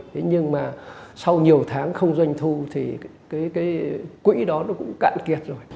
thế nhưng mà sau nhiều tháng không doanh thu thì cái quỹ đó nó cũng cạn kiệt rồi